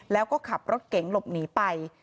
แล้วก็ขับรถเก๋งหลบหนีไป